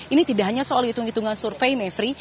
ini tidak hanya soal hitung hitungan survei mevri